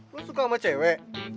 lo suka sama cewe